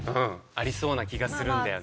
ありそうな気がするんだよな。